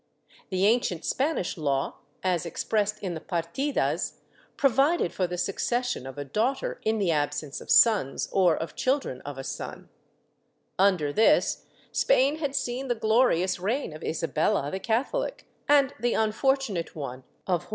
The ancient Spanish law, as expressed in the Partidas, provided for the succession of a daughter in the absence of sons or of children of a son.^ Under this, Spain had seen the glorious reign of Isabella the Catholic and the unfortunate one of Juana ' Modesto Lafuente, loc. cit. — V. de la Fuente, Joe.